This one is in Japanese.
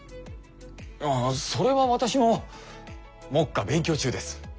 ああそれは私も目下勉強中です。